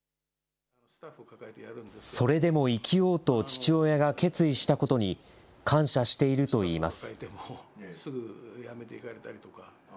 それでも生きようと父親が決意したことに、感謝しているといいます。